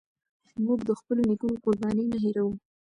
موږ د خپلو نيکونو قربانۍ نه هيروو.